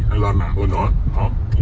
này nó lên nè lên nữa